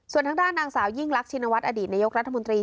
ส่วนทางด้านนางสาวยิ่งรักชินวัฒนอดีตนายกรัฐมนตรี